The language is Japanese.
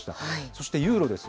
そしてユーロです。